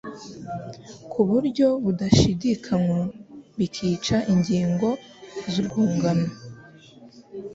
ku buryo budashidikanywa, bikica ingingo z’urwungano